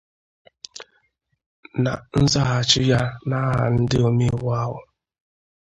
Na nzaghachi ya n'aha ndị omeiwu ahụ